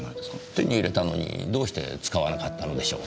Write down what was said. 手に入れたのにどうして使わなかったのでしょう？